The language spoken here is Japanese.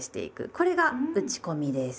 これが打ち込みです。